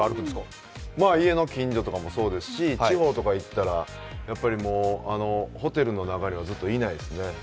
家の近所とかもそうですし、地方とかに行ったらホテルの中にはずっといないですね。